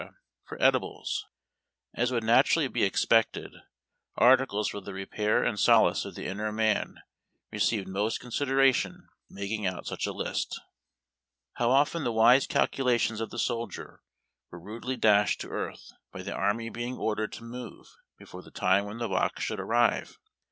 for edibles. As would naturally be expected, articles for the repair and solace of the inner man received most considera tion in making out such a list. How often the wise calculations of the soldier were rudely dashed to earth by the army being ordered to move before the time when the box should arrive